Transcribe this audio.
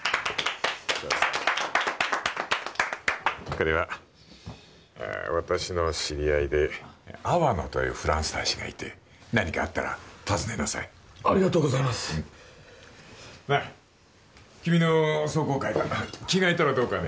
これは私の知り合いで粟野というフランス大使がいて何かあったら訪ねなさいありがとうございますなッ君の壮行会だ着替えたらどうかね？